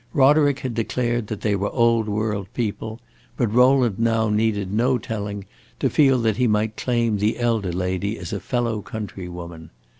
Roderick had declared that they were old world people; but Rowland now needed no telling to feel that he might claim the elder lady as a fellow countrywoman.